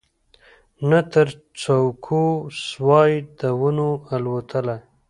نه تر څوکو سوای د ونو الوتلای